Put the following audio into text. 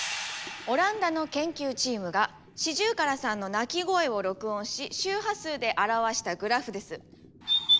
オランダの研究チームがシジュウカラさんの鳴き声を録音し周波数で表したグラフです。